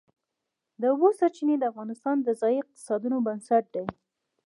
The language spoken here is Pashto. د اوبو سرچینې د افغانستان د ځایي اقتصادونو بنسټ دی.